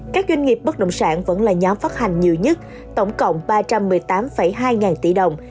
các doanh nghiệp bất động sản vẫn là nhóm phát hành nhiều nhất tổng cộng ba trăm một mươi tám hai ngàn tỷ đồng